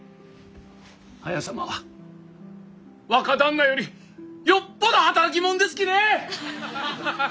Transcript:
綾様は若旦那よりよっぽど働き者ですきね！